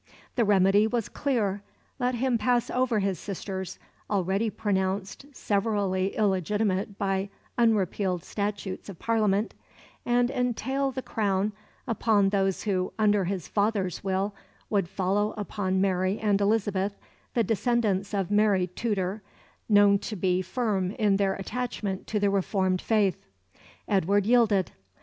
The remedy was clear. Let him pass over his sisters, already pronounced severally illegitimate by unrepealed statutes of Parliament, and entail the crown upon those who, under his father's will, would follow upon Mary and Elizabeth, the descendants of Mary Tudor, known to be firm in their attachment to the reformed faith. Edward yielded.